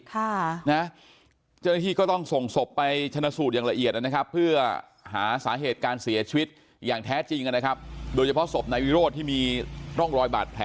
เจ้าหน้าที่ก็ต้องส่งศพไปชนะสูตรอย่างละเอียดนะครับ